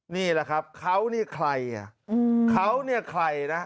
นี่แหละครับเขานี่ใครอ่ะเขาเนี่ยใครนะ